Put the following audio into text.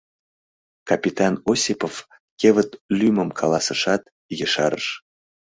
Капитан Осипов кевыт лӱмым каласышат, ешарыш: